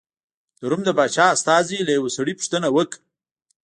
د روم د پاچا استازي له یوه سړي پوښتنه وکړه.